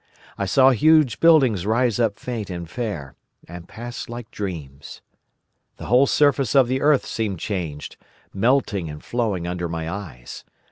I saw huge buildings rise up faint and fair, and pass like dreams. The whole surface of the earth seemed changed—melting and flowing under my eyes.